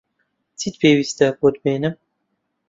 چیت پێویستە بۆت بێنم؟